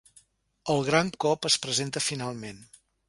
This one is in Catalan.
El gran cop es presenta finalment.